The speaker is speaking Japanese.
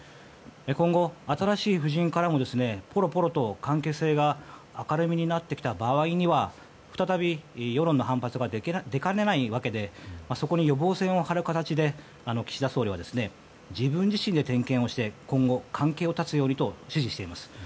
今後、新しい布陣からもぽろぽろと関係性が明るみになってきた場合には再び、世論の反発が出かねないわけでそこに予防線を張る形で岸田総理は自分自身で点検をして今後、関係を断つようにと指示しています。